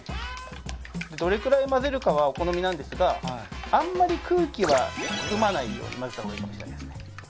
どれくらい混ぜるかはお好みなんですがあんまり空気は含まないように混ぜたほうがいいですね。